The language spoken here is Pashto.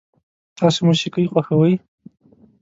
تاسو موسیقي خوښوئ؟